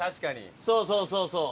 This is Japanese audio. そうそうそうそう。